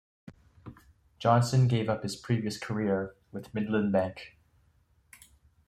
Johnson gave up his previous career with Midland Bank.